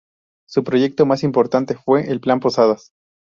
Su proyecto más importante fue el Plan Posadas.